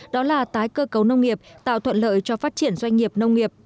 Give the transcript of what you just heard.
đó là tái cơ cấu nông nghiệp tạo thuận lợi cho phát triển doanh nghiệp nông nghiệp